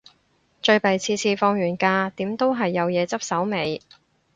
最弊次次放完假，點都係有嘢執手尾